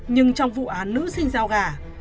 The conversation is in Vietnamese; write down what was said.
nhưng trong vụ án nữ sinh dao gà